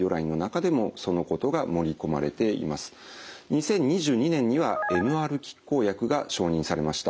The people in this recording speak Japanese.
２０２２年にはＭＲ拮抗薬が承認されました。